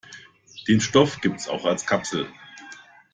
Den Stoff gibt es auch als Kapsel.